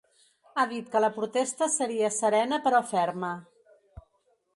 Ha dit que la protesta seria ‘serena, però ferma’.